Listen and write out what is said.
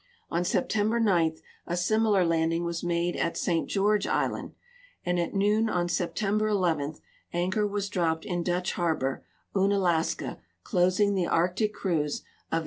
On Sei)tember 9 a similar landing was made at St. George island, and at noon on September 11 anchor was dropped in Dutch harbor, Unalaska, closing the Arctic cruise of 1895.